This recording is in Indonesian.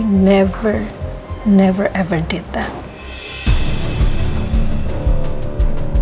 bahwa saya tidak pernah tidak pernah tidak pernah melakukan itu